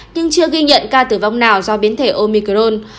nhưng chưa ghi nhận ca tử vong nào do biến thể omicron